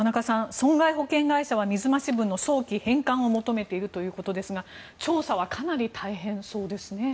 損害保険会社は水増し分の早期返還を求めているということですが調査はかなり大変そうですね。